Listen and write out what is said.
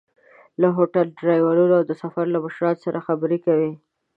له هوټل، ډریورانو او د سفر له مشرانو سره خبرې کوي.